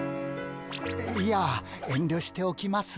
いや遠慮しておきます。